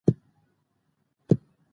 مور د ماشومانو سره په صبر چلند کوي.